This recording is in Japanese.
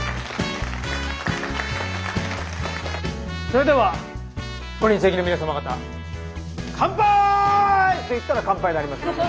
それではご臨席の皆様方乾杯！って言ったら乾杯になりますので。